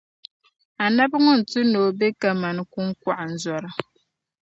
Anabi ŋun tu ni o be kaman kuŋkɔɣinzɔra.